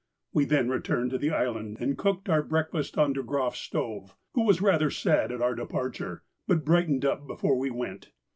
We then returned to the island and cooked our breakfast on De Groff's stove, who was rather sad at our departure, but brightened up before we went.